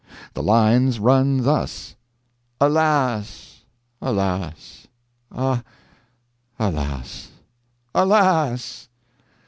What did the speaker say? The lines run thus: "Alas! alas! a alas! Alas!